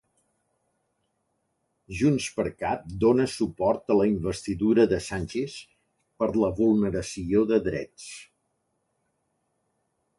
JxCat dona suport a la investidura de Sánchez per la vulneració de drets.